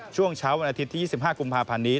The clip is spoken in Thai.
ช่วงเช้าวันอาทิตย์ที่๒๕กุมภาพันธ์นี้